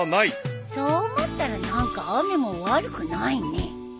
そう思ったら何か雨も悪くないね。